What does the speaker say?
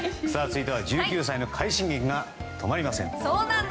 続いては１９歳の快進撃が止まりません。